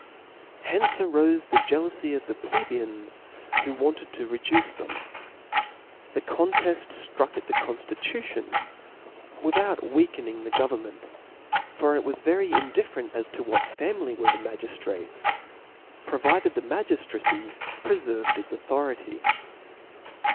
Hence arofe the jealoufy of the Plebeians, who wanted to reduce them. The conteft ftruck at the conftitution with out weakening the government ; for it was very indifferentof what family were the magiftrates, pro vided the magiftracy prcferved its authority.